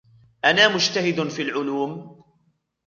أنا مجتهد في العلوم.